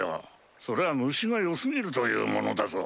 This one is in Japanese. それは虫が良過ぎるというものだぞ。